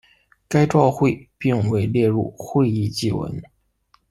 该照会并未列入会议记文。